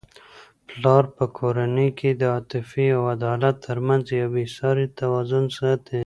پلار په کورنی کي د عاطفې او عدالت ترمنځ یو بې سارې توازن ساتي.